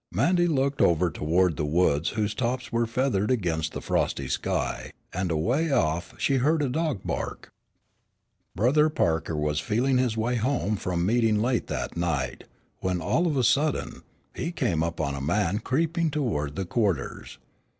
Mandy looked over toward the woods whose tops were feathered against the frosty sky, and away off, she heard a dog bark. Brother Parker was feeling his way home from meeting late that night, when all of a sudden, he came upon a man creeping toward the quarters.